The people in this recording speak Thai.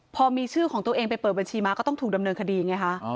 พอมีชื่อของตัวเองไปเปิดบัญชีมาก็ต้องถูกดำเนินคดีไงคะ